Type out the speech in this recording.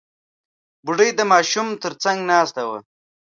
بوډۍ د ماشوم تر څنګ ناسته وه.